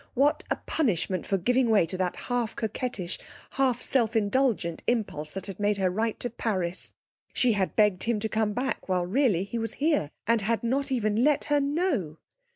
What a punishment for giving way to that half coquettish, half self indulgent impulse that had made her write to Paris! She had begged him to come back; while, really, he was here, and had not even let her know.